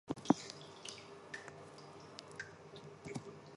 彼女はその事件を、生き生きとした筆致で描写した。